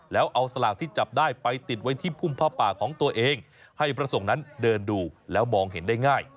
แล้วเอาสลากที่จับได้ไปติดไว้ที่พุ่มผ้าป่าของตัวเองให้พระสงฆ์นั้นเดินดูแล้วมองเห็นได้ง่าย